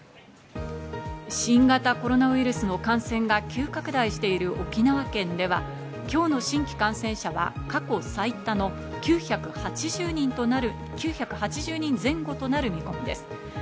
新型コロナウイルスの感染が急拡大している沖縄県では今日の新規感染者は過去最多の９８０人前後となる見込みです。